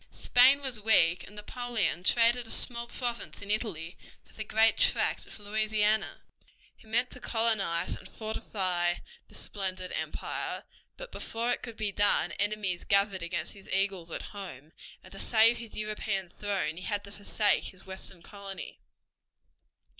Spain was weak, and Napoleon traded a small province in Italy for the great tract of Louisiana. He meant to colonize and fortify this splendid empire, but before it could be done enemies gathered against his eagles at home, and to save his European throne he had to forsake his western colony.